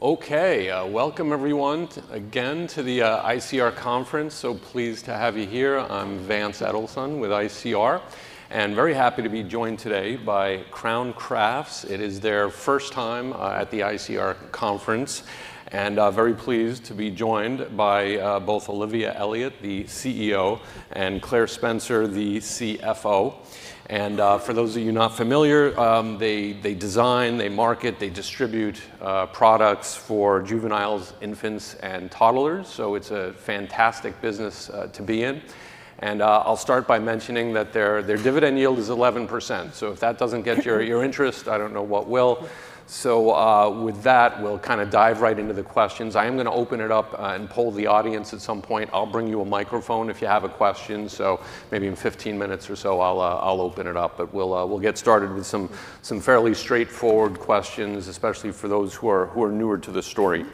Okay, welcome everyone again to the ICR Conference, so pleased to have you here. I'm Vance Edelson with ICR, and very happy to be joined today by Crown Crafts. It is their first time at the ICR Conference, and very pleased to be joined by both Olivia Elliott, the CEO, and Claire Spencer, the CFO, and for those of you not familiar, they design, they market, they distribute products for juveniles, infants, and toddlers, so it's a fantastic business to be in, and I'll start by mentioning that their dividend yield is 11%, so with that, we'll kind of dive right into the questions. I am going to open it up and poll the audience at some point. I'll bring you a microphone if you have a question. So maybe in 15 minutes or so, I'll open it up. But we'll get started with some fairly straightforward questions, especially for those who are newer to the story.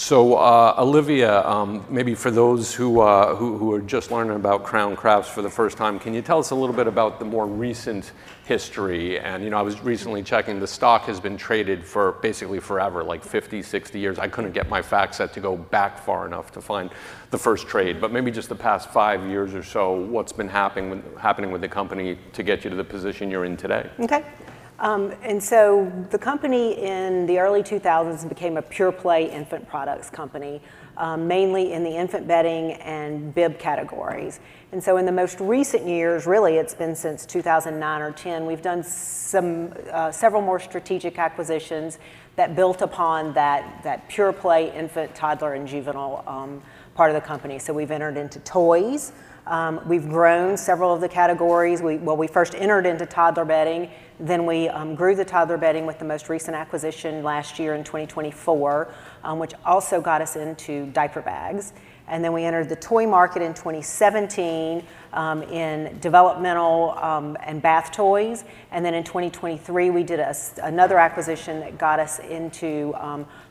So Olivia, maybe for those who are just learning about Crown Crafts for the first time, can you tell us a little bit about the more recent history? And I was recently checking the stock has been traded for basically forever, like 50, 60 years. I couldn't get my FactSet to go back far enough to find the first trade. But maybe just the past five years or so, what's been happening with the company to get you to the position you're in today? Okay. And so the company in the early 2000s became a pure-play infant products company, mainly in the infant bedding and bib categories. And so in the most recent years, really, it's been since 2009 or 2010, we've done several more strategic acquisitions that built upon that pure-play infant, toddler, and juvenile part of the company. So we've entered into toys. We've grown several of the categories. Well, we first entered into toddler bedding, then we grew the toddler bedding with the most recent acquisition last year in 2024, which also got us into diaper bags. And then we entered the toy market in 2017 in developmental and bath toys. And then in 2023, we did another acquisition that got us into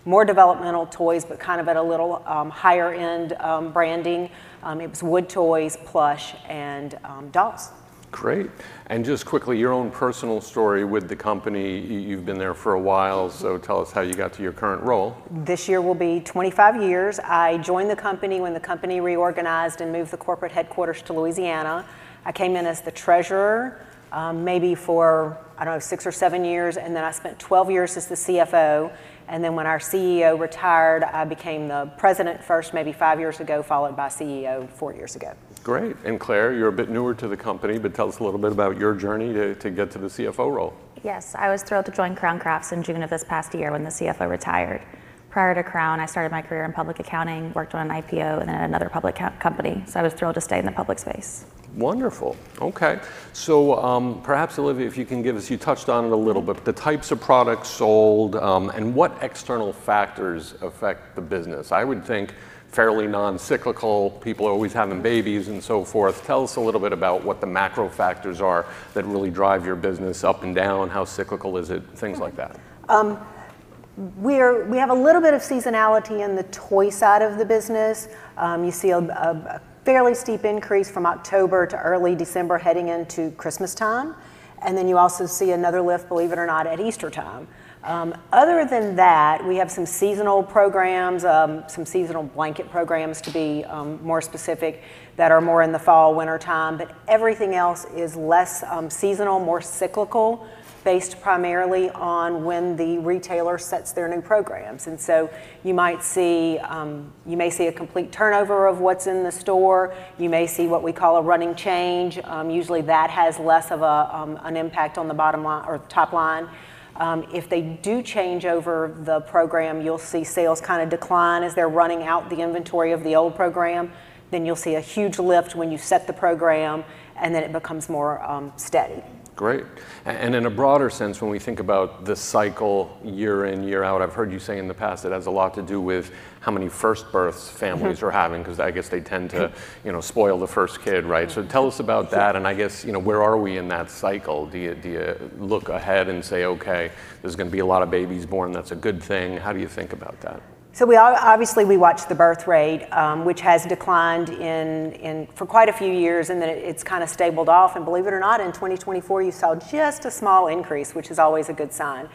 more developmental toys, but kind of at a little higher-end branding. It was wood toys, plush, and dolls. Great. And just quickly, your own personal story with the company. You've been there for a while, so tell us how you got to your current role. This year will be 25 years. I joined the company when the company reorganized and moved the corporate headquarters to Louisiana. I came in as the Treasurer maybe for, I don't know, six or seven years. And then I spent 12 years as the CFO. And then when our CEO retired, I became the President first, maybe five years ago, followed by CEO four years ago. Great. And Claire, you're a bit newer to the company, but tell us a little bit about your journey to get to the CFO role. Yes. I was thrilled to join Crown Crafts in June of this past year when the CFO retired. Prior to Crown, I started my career in public accounting, worked on an IPO, and then at another public company. So I was thrilled to stay in the public space. Wonderful. Okay. So perhaps, Olivia, if you can give us, you touched on it a little bit, but the types of products sold and what external factors affect the business? I would think fairly non-cyclical, people always having babies and so forth. Tell us a little bit about what the macro factors are that really drive your business up and down, how cyclical is it, things like that. We have a little bit of seasonality in the toy side of the business. You see a fairly steep increase from October to early December heading into Christmas time, and then you also see another lift, believe it or not, at Easter time. Other than that, we have some seasonal programs, some seasonal blanket programs, to be more specific, that are more in the fall, winter time, but everything else is less seasonal, more cyclical, based primarily on when the retailer sets their new programs, and so you might see, you may see a complete turnover of what's in the store. You may see what we call a running change. Usually, that has less of an impact on the bottom line or top line. If they do change over the program, you'll see sales kind of decline as they're running out the inventory of the old program. Then you'll see a huge lift when you set the program, and then it becomes more steady. Great. And in a broader sense, when we think about the cycle year in, year out, I've heard you say in the past that it has a lot to do with how many first births families are having, because I guess they tend to spoil the first kid, right? So tell us about that. And I guess, where are we in that cycle? Do you look ahead and say, okay, there's going to be a lot of babies born? That's a good thing. How do you think about that? So obviously, we watch the birth rate, which has declined for quite a few years, and then it's kind of stabilized off. And believe it or not, in 2024, you saw just a small increase, which is always a good sign.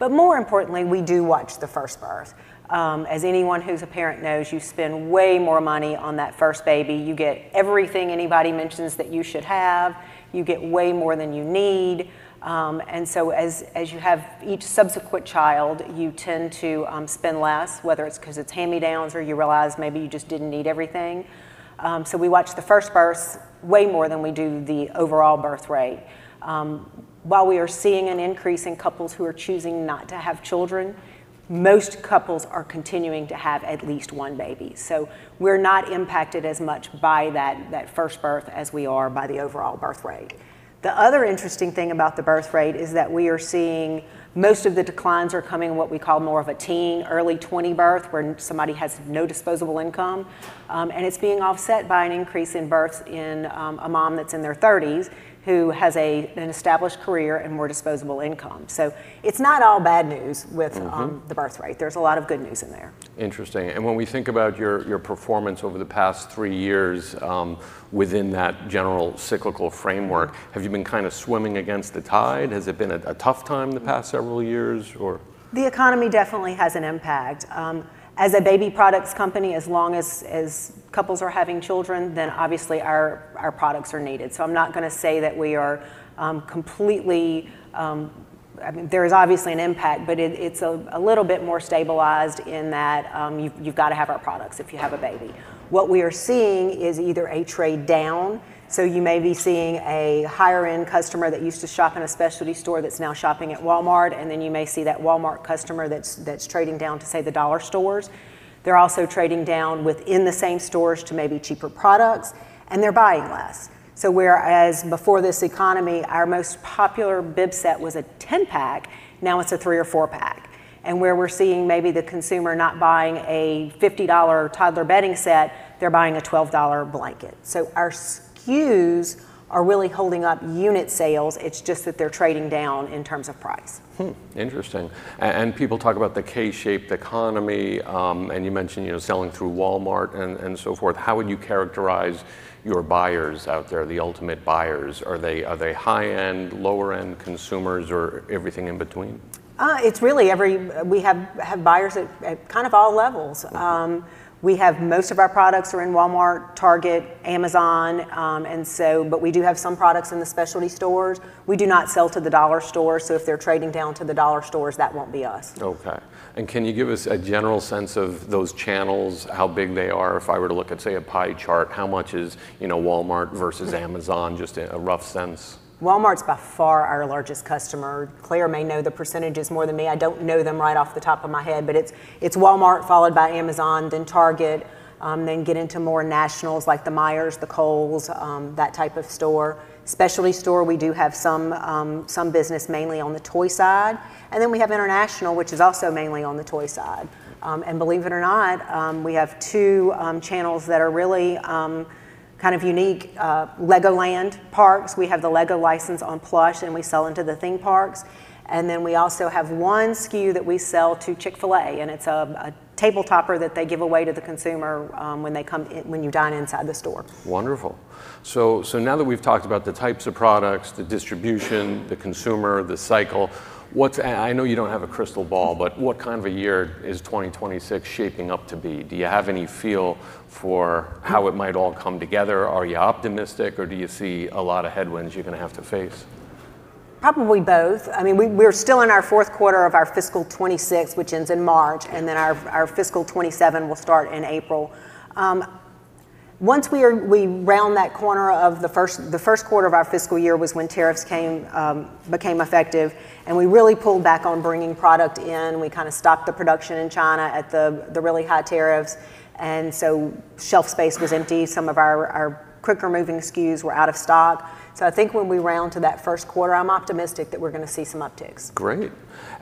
But more importantly, we do watch the first birth. As anyone who's a parent knows, you spend way more money on that first baby. You get everything anybody mentions that you should have. You get way more than you need. And so as you have each subsequent child, you tend to spend less, whether it's because it's hand-me-downs or you realize maybe you just didn't need everything. So we watch the first birth way more than we do the overall birth rate. While we are seeing an increase in couples who are choosing not to have children, most couples are continuing to have at least one baby. We're not impacted as much by that first birth as we are by the overall birth rate. The other interesting thing about the birth rate is that we are seeing most of the declines are coming in what we call more of a teen, early 20 birth, where somebody has no disposable income. It's being offset by an increase in births in a mom that's in their 30s who has an established career and more disposable income. It's not all bad news with the birth rate. There's a lot of good news in there. Interesting. When we think about your performance over the past three years within that general cyclical framework, have you been kind of swimming against the tide? Has it been a tough time the past several years? The economy definitely has an impact. As a baby products company, as long as couples are having children, then obviously our products are needed. So I'm not going to say that we are completely, I mean, there is obviously an impact, but it's a little bit more stabilized in that you've got to have our products if you have a baby. What we are seeing is either a trade down. So you may be seeing a higher-end customer that used to shop in a specialty store that's now shopping at Walmart. And then you may see that Walmart customer that's trading down to, say, the dollar stores. They're also trading down within the same stores to maybe cheaper products. And they're buying less. So whereas before this economy, our most popular bib set was a 10-pack, now it's a three or four-pack. And where we're seeing maybe the consumer not buying a $50 toddler bedding set, they're buying a $12 blanket. So our SKUs are really holding up unit sales. It's just that they're trading down in terms of price. Interesting. And people talk about the K-shaped economy. And you mentioned selling through Walmart and so forth. How would you characterize your buyers out there, the ultimate buyers? Are they high-end, lower-end consumers, or everything in between? It's really, we have buyers at kind of all levels. We have most of our products are in Walmart, Target, Amazon. But we do have some products in the specialty stores. We do not sell to the dollar store. So if they're trading down to the dollar stores, that won't be us. Okay. And can you give us a general sense of those channels, how big they are? If I were to look at, say, a pie chart, how much is Walmart versus Amazon, just a rough sense? Walmart's by far our largest customer. Claire may know the percentages more than me. I don't know them right off the top of my head. But it's Walmart, followed by Amazon, then Target, then get into more nationals like the Meijer, the Kohl's, that type of store. Specialty store, we do have some business mainly on the toy side. And then we have international, which is also mainly on the toy side. And believe it or not, we have two channels that are really kind of unique, LEGOLAND Parks. We have the LEGO license on plush, and we sell into the theme parks. And then we also have one SKU that we sell to Chick-fil-A. And it's a Table Topper that they give away to the consumer when you dine inside the store. Wonderful. So now that we've talked about the types of products, the distribution, the consumer, the cycle, I know you don't have a crystal ball, but what kind of a year is 2026 shaping up to be? Do you have any feel for how it might all come together? Are you optimistic, or do you see a lot of headwinds you're going to have to face? Probably both. I mean, we're still in our fourth quarter of our fiscal 2026, which ends in March. And then our fiscal 2027 will start in April. Once we round that corner of the first quarter of our fiscal year was when tariffs became effective. And we really pulled back on bringing product in. We kind of stopped the production in China at the really high tariffs. And so shelf space was empty. Some of our quicker moving SKUs were out of stock. So I think when we round to that first quarter, I'm optimistic that we're going to see some upticks. Great.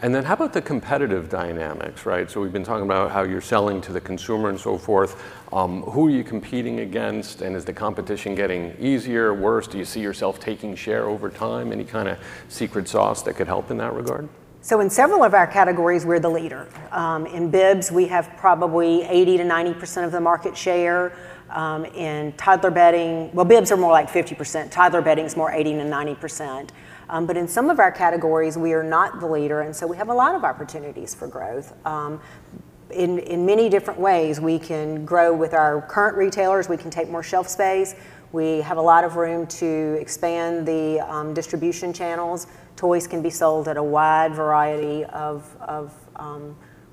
And then how about the competitive dynamics, right? So we've been talking about how you're selling to the consumer and so forth. Who are you competing against? And is the competition getting easier, worse? Do you see yourself taking share over time? Any kind of secret sauce that could help in that regard? So in several of our categories, we're the leader. In bibs, we have probably 80%-90% of the market share. In toddler bedding, well, bibs are more like 50%. Toddler bedding is more 80%-90%. But in some of our categories, we are not the leader. And so we have a lot of opportunities for growth. In many different ways, we can grow with our current retailers. We can take more shelf space. We have a lot of room to expand the distribution channels. Toys can be sold at a wide variety of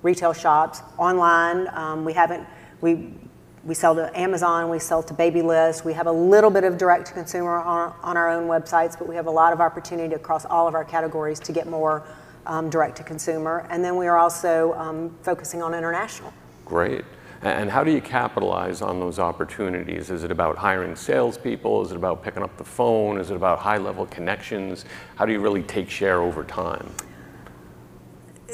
retail shops. Online, we sell to Amazon. We sell to Babylist. We have a little bit of direct-to-consumer on our own websites, but we have a lot of opportunity across all of our categories to get more direct-to-consumer. And then we are also focusing on international. Great. And how do you capitalize on those opportunities? Is it about hiring salespeople? Is it about picking up the phone? Is it about high-level connections? How do you really take share over time?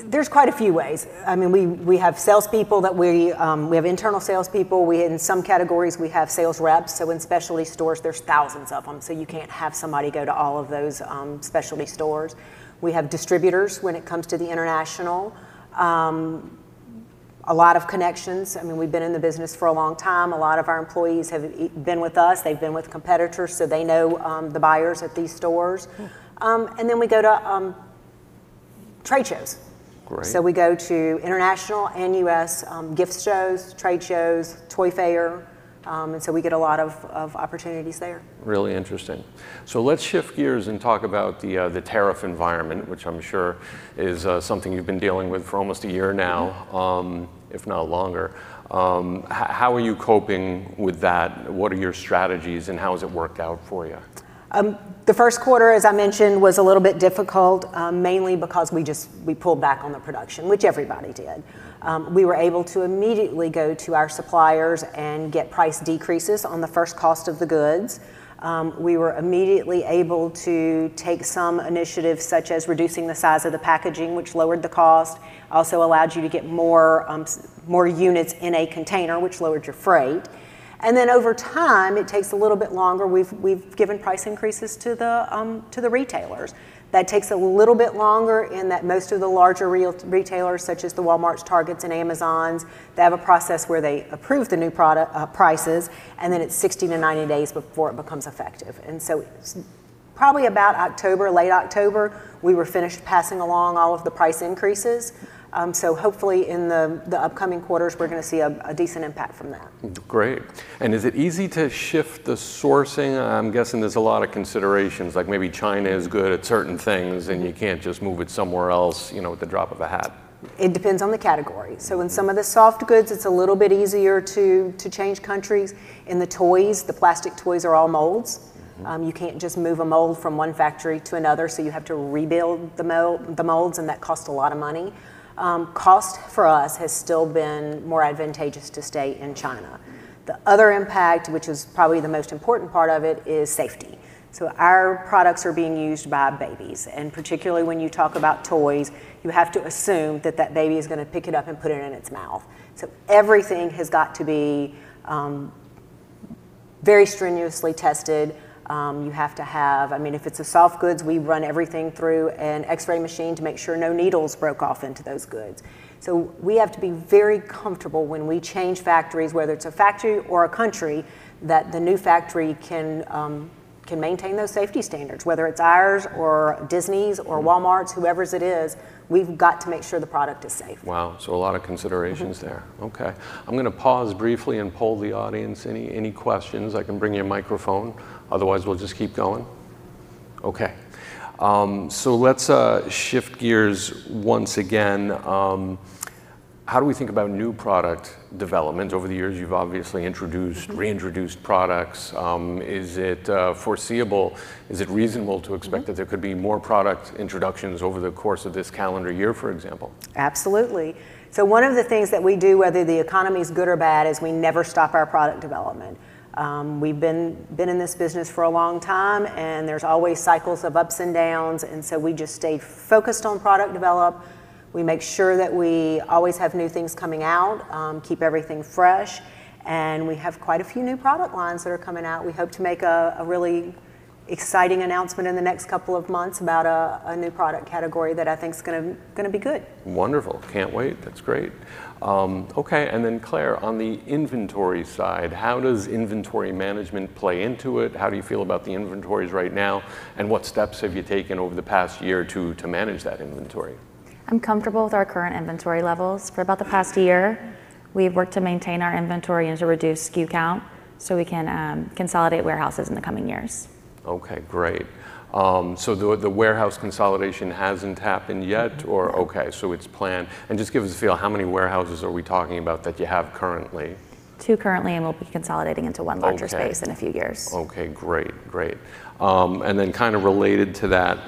There's quite a few ways. I mean, we have salespeople that we have internal salespeople. In some categories, we have sales reps. So in specialty stores, there's thousands of them. So you can't have somebody go to all of those specialty stores. We have distributors when it comes to the international. A lot of connections. I mean, we've been in the business for a long time. A lot of our employees have been with us. They've been with competitors, so they know the buyers at these stores. And then we go to trade shows. So we go to international and US gift shows, trade shows, Toy Fair. And so we get a lot of opportunities there. Really interesting. So let's shift gears and talk about the tariff environment, which I'm sure is something you've been dealing with for almost a year now, if not longer. How are you coping with that? What are your strategies and how has it worked out for you? The first quarter, as I mentioned, was a little bit difficult, mainly because we pulled back on the production, which everybody did. We were able to immediately go to our suppliers and get price decreases on the first cost of the goods. We were immediately able to take some initiatives, such as reducing the size of the packaging, which lowered the cost, also allowed you to get more units in a container, which lowered your freight, and then over time, it takes a little bit longer. We've given price increases to the retailers. That takes a little bit longer in that most of the larger retailers, such as the Walmarts, Targets, and Amazons, they have a process where they approve the new prices, and then it's 60 to 90 days before it becomes effective. Probably about October, late October, we were finished passing along all of the price increases. Hopefully in the upcoming quarters, we're going to see a decent impact from that. Great. And is it easy to shift the sourcing? I'm guessing there's a lot of considerations, like maybe China is good at certain things and you can't just move it somewhere else with the drop of a hat. It depends on the category. So in some of the soft goods, it's a little bit easier to change countries. In the toys, the plastic toys are all molds. You can't just move a mold from one factory to another. So you have to rebuild the molds, and that costs a lot of money. Cost for us has still been more advantageous to stay in China. The other impact, which is probably the most important part of it, is safety. So our products are being used by babies. And particularly when you talk about toys, you have to assume that that baby is going to pick it up and put it in its mouth. So everything has got to be very strenuously tested. You have to have, I mean, if it's a soft goods, we run everything through an X-ray machine to make sure no needles broke off into those goods. So we have to be very comfortable when we change factories, whether it's a factory or a country, that the new factory can maintain those safety standards. Whether it's ours or Disney's or Walmart's, whoever's it is, we've got to make sure the product is safe. Wow. So a lot of considerations there. Okay. I'm going to pause briefly and poll the audience. Any questions? I can bring you a microphone. Otherwise, we'll just keep going. Okay. So let's shift gears once again. How do we think about new product development? Over the years, you've obviously introduced, reintroduced products. Is it foreseeable? Is it reasonable to expect that there could be more product introductions over the course of this calendar year, for example? Absolutely. So one of the things that we do, whether the economy is good or bad, is we never stop our product development. We've been in this business for a long time, and there's always cycles of ups and downs. And so we just stay focused on product develop. We make sure that we always have new things coming out, keep everything fresh. And we have quite a few new product lines that are coming out. We hope to make a really exciting announcement in the next couple of months about a new product category that I think is going to be good. Wonderful. Can't wait. That's great. Okay. And then Claire, on the inventory side, how does inventory management play into it? How do you feel about the inventories right now? And what steps have you taken over the past year to manage that inventory? I'm comfortable with our current inventory levels. For about the past year, we've worked to maintain our inventory and to reduce SKU count so we can consolidate warehouses in the coming years. Okay. Great. So the warehouse consolidation hasn't happened yet? Or okay. So it's planned. And just give us a feel. How many warehouses are we talking about that you have currently? Two currently, and we'll be consolidating into one larger space in a few years. Okay. Great. Great. And then kind of related to that,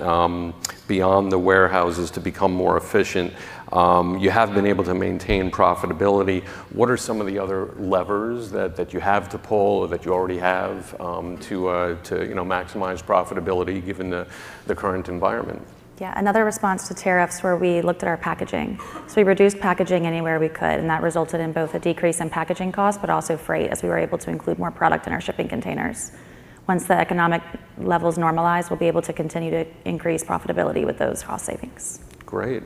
beyond the warehouses to become more efficient, you have been able to maintain profitability. What are some of the other levers that you have to pull or that you already have to maximize profitability given the current environment? Yeah. Another response to tariffs where we looked at our packaging. So we reduced packaging anywhere we could. And that resulted in both a decrease in packaging costs, but also freight as we were able to include more product in our shipping containers. Once the economic levels normalize, we'll be able to continue to increase profitability with those cost savings. Great.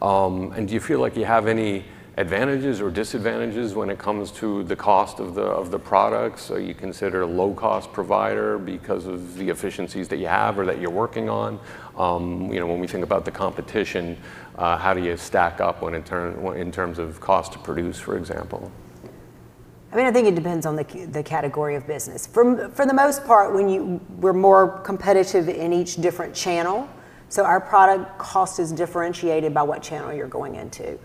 And do you feel like you have any advantages or disadvantages when it comes to the cost of the products? Are you considered a low-cost provider because of the efficiencies that you have or that you're working on? When we think about the competition, how do you stack up in terms of cost to produce, for example? I mean, I think it depends on the category of business. For the most part, we're more competitive in each different channel. So our product cost is differentiated by what channel you're going into.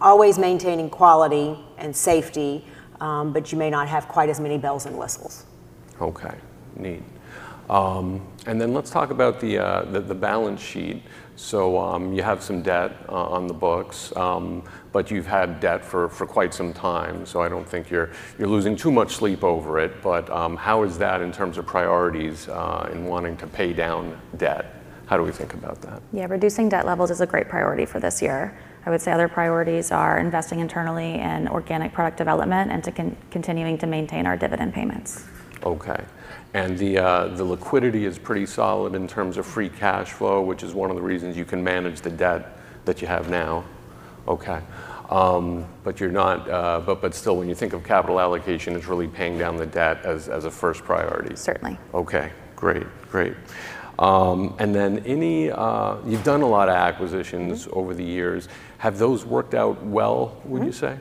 Always maintaining quality and safety, but you may not have quite as many bells and whistles. Okay. Neat. And then let's talk about the balance sheet. So you have some debt on the books, but you've had debt for quite some time. So I don't think you're losing too much sleep over it. But how is that in terms of priorities in wanting to pay down debt? How do we think about that? Yeah. Reducing debt levels is a great priority for this year. I would say other priorities are investing internally in organic product development and continuing to maintain our dividend payments. Okay, and the liquidity is pretty solid in terms of free cash flow, which is one of the reasons you can manage the debt that you have now. Okay, but still, when you think of capital allocation, it's really paying down the debt as a first priority. Certainly. Okay. Great. Great. And then you've done a lot of acquisitions over the years. Have those worked out well, would you say?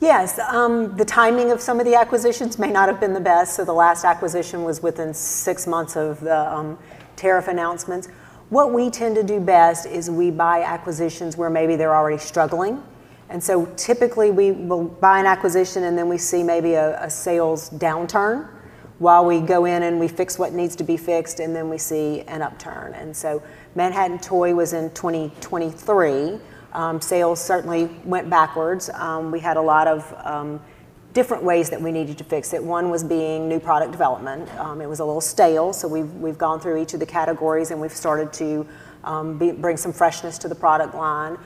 Yes. The timing of some of the acquisitions may not have been the best. So the last acquisition was within six months of the tariff announcements. What we tend to do best is we buy acquisitions where maybe they're already struggling. And so typically, we will buy an acquisition, and then we see maybe a sales downturn while we go in and we fix what needs to be fixed, and then we see an upturn. And so Manhattan Toy was in 2023. Sales certainly went backwards. We had a lot of different ways that we needed to fix it. One was being new product development. It was a little stale. So we've gone through each of the categories, and we've started to bring some freshness to the product line.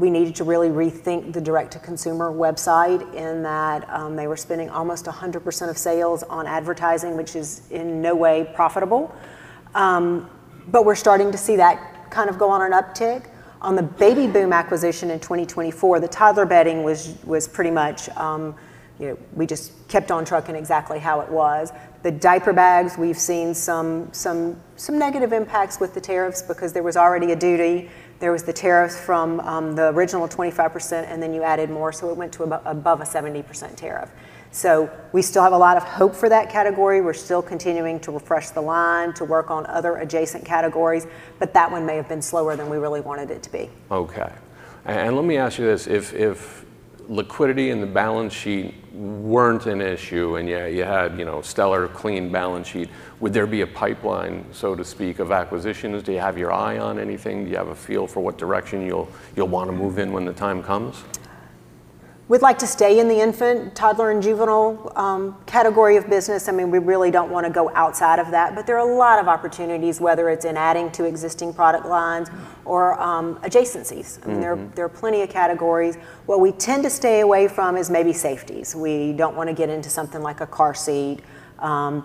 We needed to really rethink the direct-to-consumer website in that they were spending almost 100% of sales on advertising, which is in no way profitable. But we're starting to see that kind of go on an uptick. On the Baby Boom acquisition in 2024, the toddler bedding was pretty much we just kept on trucking exactly how it was. The diaper bags, we've seen some negative impacts with the tariffs because there was already a duty. There was the tariffs from the original 25%, and then you added more, so it went to above a 70% tariff. So we still have a lot of hope for that category. We're still continuing to refresh the line to work on other adjacent categories, but that one may have been slower than we really wanted it to be. Okay. And let me ask you this. If liquidity and the balance sheet weren't an issue, and you had a stellar, clean balance sheet, would there be a pipeline, so to speak, of acquisitions? Do you have your eye on anything? Do you have a feel for what direction you'll want to move in when the time comes? We'd like to stay in the infant, toddler, and juvenile category of business. I mean, we really don't want to go outside of that. But there are a lot of opportunities, whether it's in adding to existing product lines or adjacencies. I mean, there are plenty of categories. What we tend to stay away from is maybe safeties. We don't want to get into something like a car seat,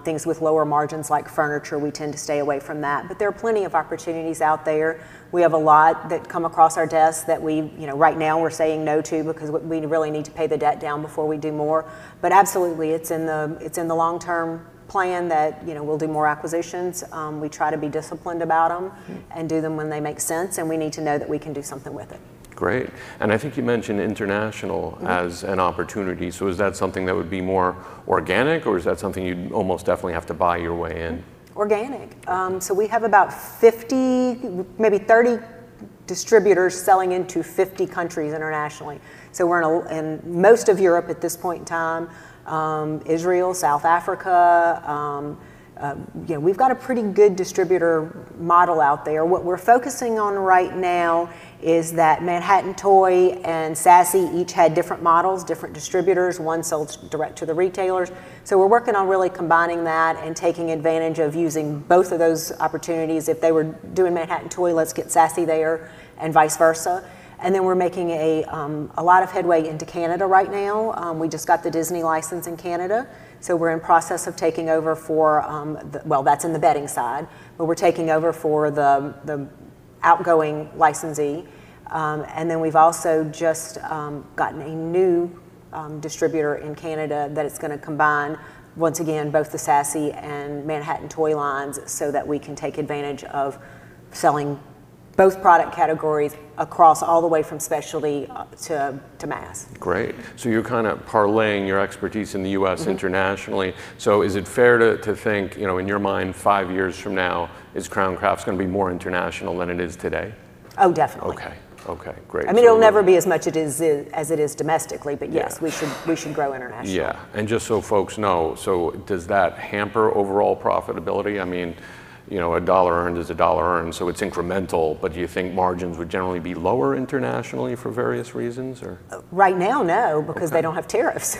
things with lower margins like furniture. We tend to stay away from that. But there are plenty of opportunities out there. We have a lot that come across our desk that right now we're saying no to because we really need to pay the debt down before we do more. But absolutely, it's in the long-term plan that we'll do more acquisitions. We try to be disciplined about them and do them when they make sense. We need to know that we can do something with it. Great. And I think you mentioned international as an opportunity. So is that something that would be more organic, or is that something you'd almost definitely have to buy your way in? Organic. So we have about 50, maybe 30 distributors selling into 50 countries internationally. So we're in most of Europe at this point in time, Israel, South Africa. We've got a pretty good distributor model out there. What we're focusing on right now is that Manhattan Toy and Sassy each had different models, different distributors. One sold direct to the retailers. So we're working on really combining that and taking advantage of using both of those opportunities. If they were doing Manhattan Toy, let's get Sassy there and vice versa. And then we're making a lot of headway into Canada right now. We just got the Disney license in Canada. So we're in process of taking over for, well, that's in the bedding side, but we're taking over for the outgoing licensee. And then we've also just gotten a new distributor in Canada that is going to combine, once again, both the Sassy and Manhattan Toy lines so that we can take advantage of selling both product categories across all the way from specialty to mass. Great. So you're kind of parlaying your expertise in the U.S. internationally. So is it fair to think, in your mind, five years from now, is Crown Crafts going to be more international than it is today? Oh, definitely. Okay. Okay. Great. I mean, it'll never be as much as it is domestically, but yes, we should grow internationally. Yeah. Just so folks know, so does that hamper overall profitability? I mean, a dollar earned is a dollar earned, so it's incremental. But do you think margins would generally be lower internationally for various reasons, or? Right now, no, because they don't have tariffs.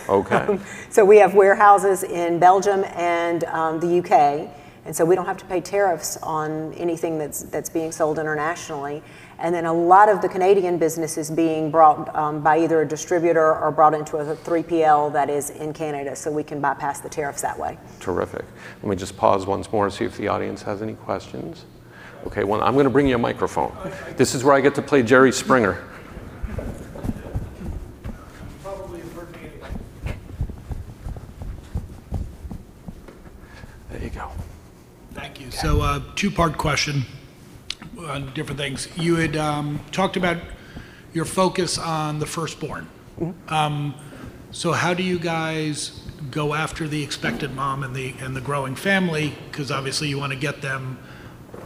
So we have warehouses in Belgium and the U.K. And so we don't have to pay tariffs on anything that's being sold internationally. And then a lot of the Canadian business is being brought by either a distributor or brought into a 3PL that is in Canada so we can bypass the tariffs that way. Terrific. Let me just pause once more and see if the audience has any questions. Okay. I'm going to bring you a microphone. This is where I get to play Jerry Springer. There you go. Thank you. So two-part question on different things. You had talked about your focus on the firstborn. So how do you guys go after the expected mom and the growing family? Because obviously, you want to get them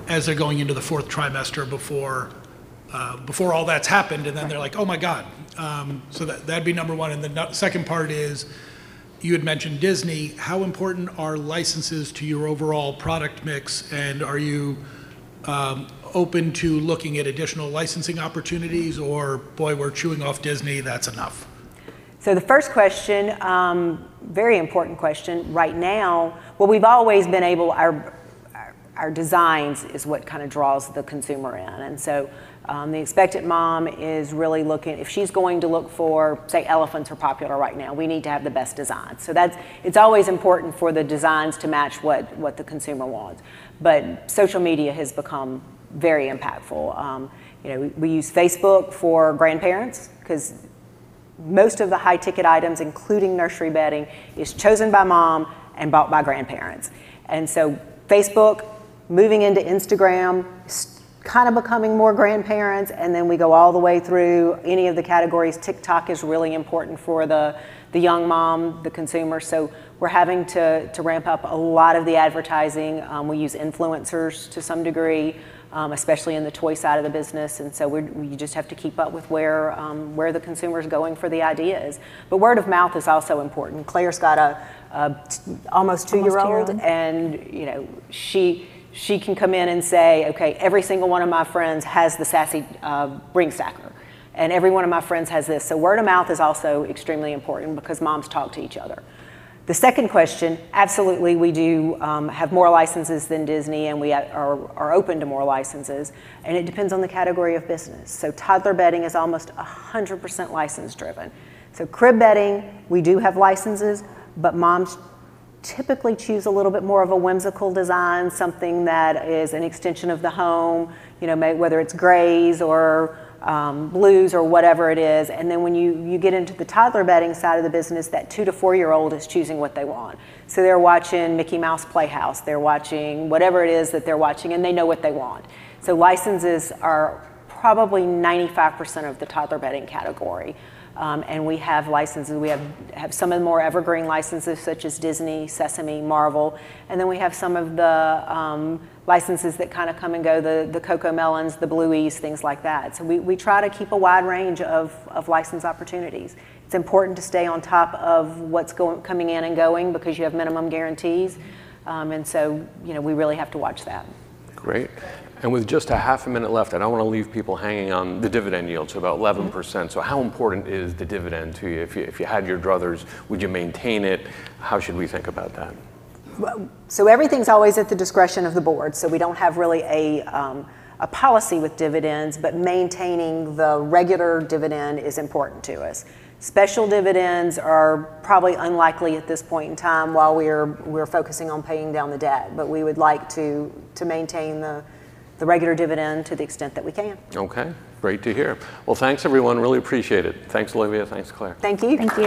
as they're going into the fourth trimester before all that's happened. And then they're like, "Oh my God." So that'd be number one. And the second part is you had mentioned Disney. How important are licenses to your overall product mix? And are you open to looking at additional licensing opportunities? Or boy, we're chewing off Disney. That's enough. So the first question, very important question right now, well, we've always been able our designs is what kind of draws the consumer in, and so the expectant mom is really looking if she's going to look for, say, elephants. Elephants are popular right now. We need to have the best designs, so it's always important for the designs to match what the consumer wants, but social media has become very impactful. We use Facebook for grandparents because most of the high-ticket items, including nursery bedding, is chosen by mom and bought by grandparents, and so Facebook, moving into Instagram, kind of becoming more grandparents, and then we go all the way through any of the categories. TikTok is really important for the young mom, the consumer, so we're having to ramp up a lot of the advertising. We use influencers to some degree, especially in the toy side of the business. And so we just have to keep up with where the consumer is going for the ideas. But word of mouth is also important. Claire's got an almost two-year-old. That's cute. And she can come in and say, "Okay, every single one of my friends has the Sassy Ring Stacker. And every one of my friends has this." So word of mouth is also extremely important because moms talk to each other. The second question, absolutely, we do have more licenses than Disney, and we are open to more licenses. And it depends on the category of business. So toddler bedding is almost 100% license-driven. So crib bedding, we do have licenses, but moms typically choose a little bit more of a whimsical design, something that is an extension of the home, whether it's grays or blues or whatever it is. And then when you get into the toddler bedding side of the business, that two- to four-year-old is choosing what they want. So they're watching Mickey Mouse Playhouse. They're watching whatever it is that they're watching, and they know what they want. So licenses are probably 95% of the toddler bedding category. And we have licenses. We have some of the more evergreen licenses, such as Disney, Sesame, Marvel. And then we have some of the licenses that kind of come and go, the CoComelons, the Blueys, things like that. So we try to keep a wide range of license opportunities. It's important to stay on top of what's coming in and going because you have minimum guarantees. And so we really have to watch that. Great. And with just a half a minute left, I don't want to leave people hanging on the dividend yield, so about 11%. So how important is the dividend to you? If you had your druthers, would you maintain it? How should we think about that? So everything's always at the discretion of the board. So we don't have really a policy with dividends, but maintaining the regular dividend is important to us. Special dividends are probably unlikely at this point in time while we're focusing on paying down the debt. But we would like to maintain the regular dividend to the extent that we can. Okay. Great to hear. Well, thanks, everyone. Really appreciate it. Thanks, Olivia. Thanks, Claire. Thank you.